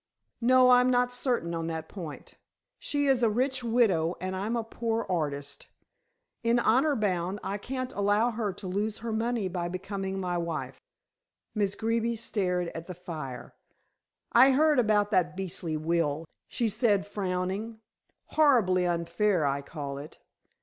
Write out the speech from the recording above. No! I'm not certain on that point. She is a rich widow and I'm a poor artist. In honor bound I can't allow her to lose her money by becoming my wife." Miss Greeby stared at the fire. "I heard about that beastly will," she said, frowning. "Horribly unfair, I call it.